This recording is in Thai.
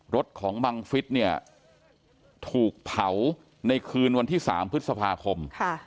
รถของบังฟิศเนี่ยถูกเผาในคืนวันที่๓พฤษภาคม